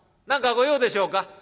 何か御用でしょうか？」。